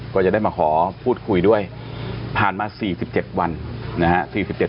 ก็จะได้มาขอพูดคุยด้วยผ่านมา๔๗วันนะฮะ